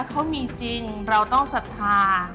เขามีจริงเราต้องศรัทธา